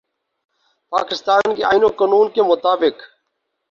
پاکستان کے آئین و قانون کے مطابق